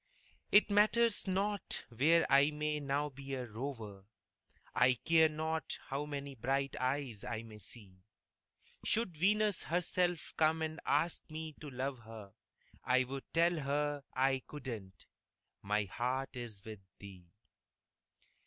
It matters not where I may now be a rover, I care not how many bright eyes I may see; Should Venus herself come and ask me to love her, I'd tell her I couldn't my heart is with thee.